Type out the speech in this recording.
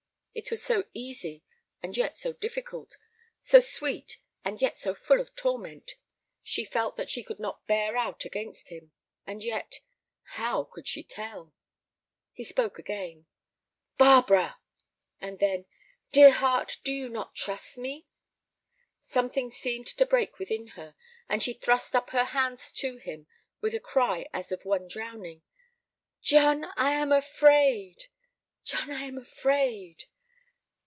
It was so easy and yet so difficult, so sweet and yet so full of torment. She felt that she could not bear out against him; and yet—how could she tell? He spoke again. "Barbara!" And then: "Dear heart, do you not trust me?" Something seemed to break within her, and she thrust up her hands to him with a cry as of one drowning. "John, I am afraid! John, I am afraid!"